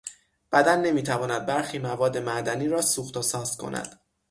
بدن نمی تواند برخی مواد معدنی را سوخت و ساز کند.